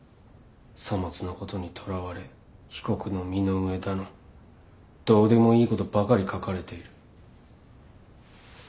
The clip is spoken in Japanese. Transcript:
さまつなことにとらわれ被告の身の上だのどうでもいいことばかり書かれている。